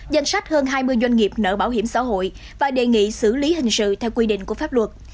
danh sách hơn hai mươi doanh nghiệp nợ bảo hiểm xã hội và đề nghị xử lý hình sự theo quy định của pháp luật